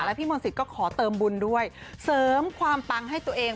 พี่มนศิษย์ก็ขอเติมบุญด้วยเสริมความปังให้ตัวเอง